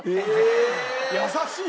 優しい。